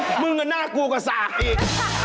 โอ๊ยมึงอันน่ากลัวกับสาดอีก